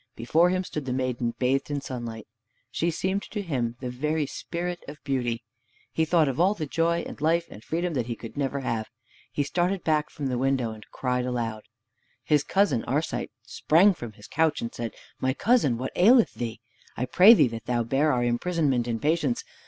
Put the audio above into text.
Before him stood the maiden bathed in sunlight. She seemed to him the very Spirit of Beauty. He thought of all the joy and life and freedom that he could never have. He started back from the window and cried aloud. His cousin Arcite sprang from his couch and said, "My cousin, what aileth thee? I pray thee that thou bear our imprisonment in patience.